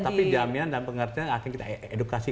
tapi jaminan dan pengertian akhirnya kita edukasi